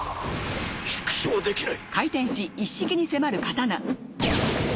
縮小できない！？